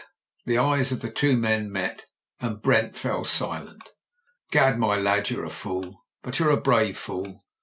The eyes of the two men met, and Brent fell silent. "Gad, my lad, you're a fool, but you're a brave fool